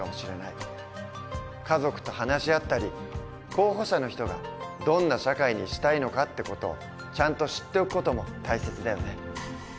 家族と話し合ったり候補者の人がどんな社会にしたいのかって事をちゃんと知っておく事も大切だよね。